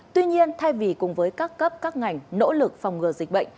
tuy nhiên thay vì cùng với các cấp các ngành nỗ lực phòng ngừa dịch bệnh